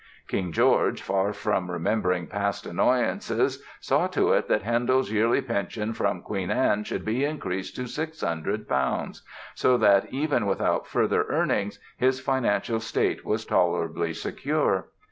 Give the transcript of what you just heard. King George, far from remembering past annoyances, saw to it that Handel's yearly pension from Queen Anne should be increased to 600 Pounds, so that even without further earnings his financial state was tolerably secure.